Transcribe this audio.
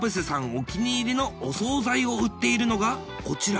お気に入りのお総菜を売っているのがこちら